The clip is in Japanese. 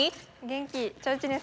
元気。